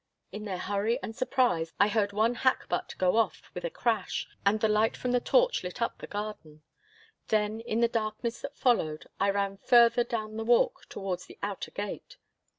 In their hurry and surprise I heard one hackbutt go off with a crash, and the light from the touch lit up the garden. Then in the darkness that followed I ran further down the walk towards the outer gate.